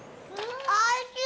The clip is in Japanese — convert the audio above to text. おいしい！